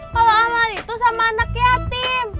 kalau amal itu sama anak yatim